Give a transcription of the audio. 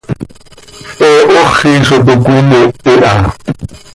He hooxi zo toc cöimiih iha.